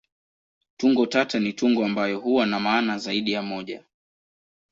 Tungo tata ni tungo ambayo huwa na maana zaidi ya moja.